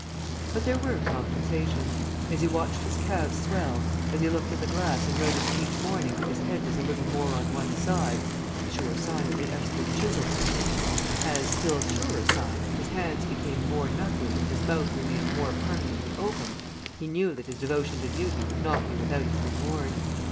But there were compensations. As he watched his calves swell; as he looked in the glass and noticed each morning that his head was a little more on one side sure sign of the expert Chisel pusher; as, still surer sign, his hands became more knuckly and his mouth remained more permanently open, he knew that his devotion to duty would not be without its reward.